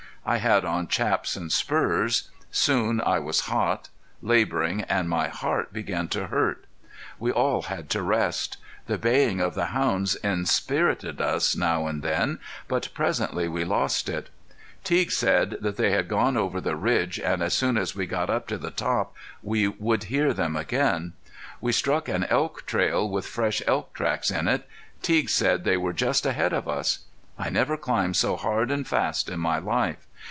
I had on chaps and spurs. Soon I was hot, laboring, and my heart began to hurt. We all had to rest. The baying of the hounds inspirited us now and then, but presently we lost it. Teague said they had gone over the ridge and as soon as we got up to the top we would hear them again. We struck an elk trail with fresh elk tracks in it. Teague said they were just ahead of us. I never climbed so hard and fast in my life.